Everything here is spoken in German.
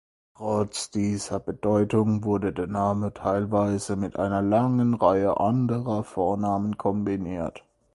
Trotz dieser Bedeutung wurde der Name teilweise mit einer langen Reihe anderer Vornamen kombiniert.